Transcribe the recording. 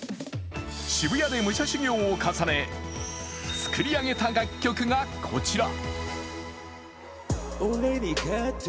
渋谷で武者修行を重ね、作り上げた楽曲がこちら。